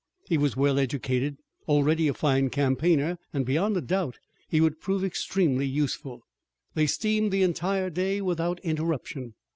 He was well educated, already a fine campaigner, and beyond a doubt he would prove extremely useful. They steamed the entire day without interruption.